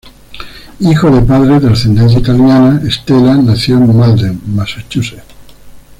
Hijo de padres de ascendencia italiana, Stella nació en Malden, Massachusetts.